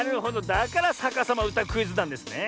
だから「さかさまうたクイズ」なんですね。